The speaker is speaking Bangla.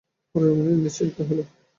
পরেশবাবুর মন নিশ্চিন্ত হইল।